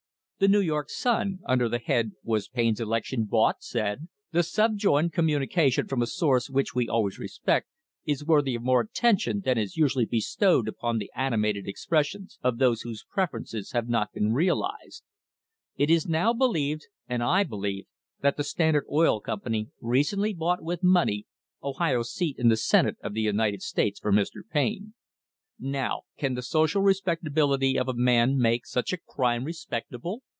The New York Sun, under the head "Was Payne's Election Bought?" said: "The subjoined communication from a source which we always respect is worthy of more attention than is usually bestowed upon the animated expressions of those whose preferences have not been realised :"' It is now believed, and I believe, that the Standard Oil Company recently bought [H4] THE STANDARD OIL COMPANY AND POLITICS with money Ohio's seat in the Senate of the United States for Mr. Payne. Now, can the social respectability of a man make such a crime respectable